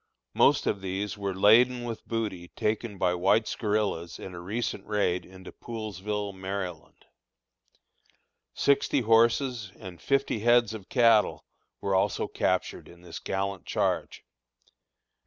Most of these were laden with booty taken by White's guerillas in a recent raid into Poolesville, Maryland. Sixty horses and fifty heads of cattle were also captured in this gallant charge.